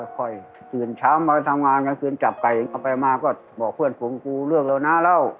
ค่อยตื่นเช้ามาไปทำงานกลางคืนจับไก่เอาไปมาก็บอกเพื่อนผมกูเลือกแล้วนะเล่า